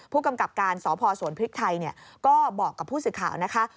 ผู้กำกับการสพสวนพริกไทยก็บอกกับผู้สื่อข่าวนะคะ